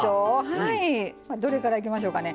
どれからいきましょうかね。